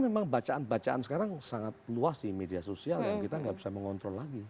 karena memang bacaan bacaan sekarang sangat luas di media sosial yang kita nggak bisa mengontrol lagi